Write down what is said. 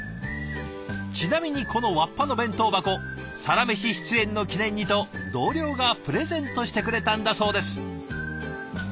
ちなみにこのわっぱの弁当箱「サラメシ」出演の記念にと同僚がプレゼントしてくれたんだそうです。